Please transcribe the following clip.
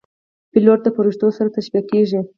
پیلوټ د پرښتو سره تشبیه کېږي.